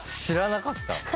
知らなかった。